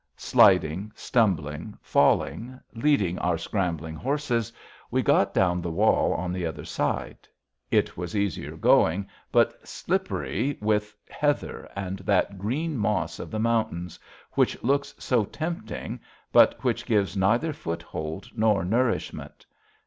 Sliding, stumbling, falling, leading our scrambling horses, we got down the wall on the other side. It was easier going, but slippery with heather and that green moss of the mountains, which looks so tempting but which gives neither foothold nor nourishment.